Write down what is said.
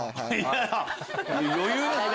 余裕ですね